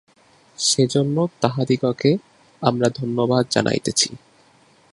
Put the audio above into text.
সেজন্য তাঁহাদিগকে আমরা ধন্যবাদ জানাইতেছি।